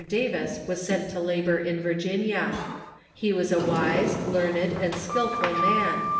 Davis was sent to labor in Virginia. He Avas a wise, learned, and skilful man.